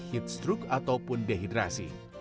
heat stroke ataupun dehidrasi